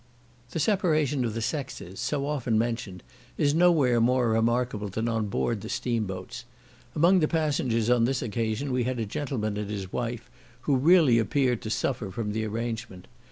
The separation of the sexes, so often mentioned, is no where more remarkable than on board the steam boats. Among the passengers on this occasion we had a gentleman and his wife, who really appeared to suffer from the arrangement.